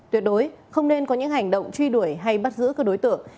tuyệt đối không nên có những hành động truy đuổi hay bắt giữ các đối tượng